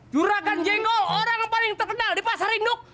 juragan jengol orang yang paling terkenal di pasar rinduk